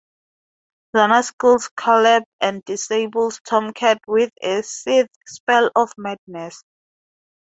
Zannah kills Caleb and disables Tomcat with a Sith spell of madness.